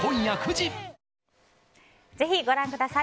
ぜひご覧ください。